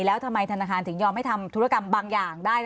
แล้วทำไมธนาคารถึงยอมให้ทำธุรกรรมบางอย่างได้